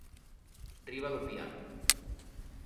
riba do piano.